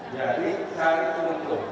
jadi cari utuh